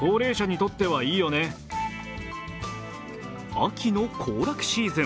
秋の行楽シーズン。